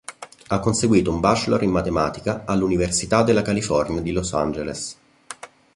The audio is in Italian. Ha conseguito un bachelor in matematica all'Università della California di Los Angeles.